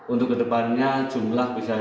untuk ke depannya jumlah bisa ditambah